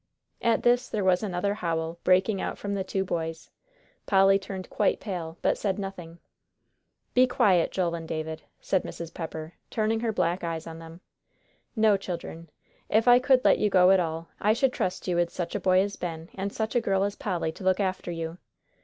At this there was another howl, breaking out from the two boys. Polly turned quite pale, but said nothing. "Be quiet, Joel and David," said Mrs. Pepper, turning her black eyes on them. "No, children, if I could let you go at all, I should trust you with such a boy as Ben, and such a girl as Polly, to look after you."